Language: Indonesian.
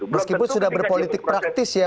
meskipun sudah berpolitik praktis ya